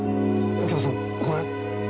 右京さんこれ。